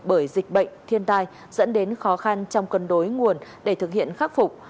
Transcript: bởi dịch bệnh thiên tai dẫn đến khó khăn trong cân đối nguồn để thực hiện khắc phục